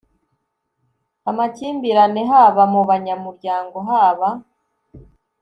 amakimbirane haba mu banyamuryango haba